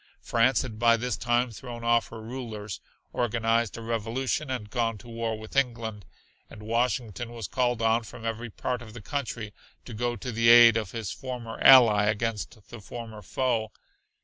France had by this time thrown off her rulers, organized a revolution and gone to war with England; and Washington was called on from every part of the country to go to the aid of his former ally against the former foe.